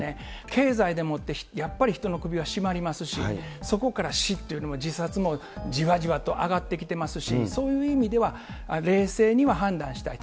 経済でもって、やっぱり人の首は絞まりますし、そこから死というのも、じわじわと上がってきてますし、そういう意味では、冷静には判断したい。